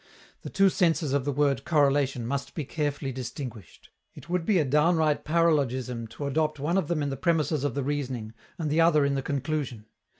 The two senses of the word "correlation" must be carefully distinguished; it would be a downright paralogism to adopt one of them in the premisses of the reasoning, and the other in the conclusion.